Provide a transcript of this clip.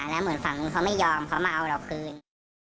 แล้วเหมือนฝั่งนู้นเขาไม่ยอมเขามาเอาเราคืน